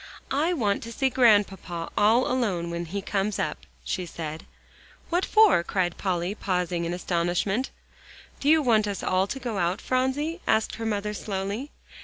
"I want to see Grandpapa all alone when he comes up," she said. "What for?" cried Polly, pausing in astonishment. "Do you want us all to go out, Phronsie?" asked her mother slowly.